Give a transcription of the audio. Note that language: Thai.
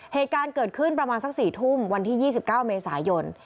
เหตุการณ์เกิดขึ้นประมาณสักสี่ทุ่มวันที่ยี่สิบเก้าเมษายน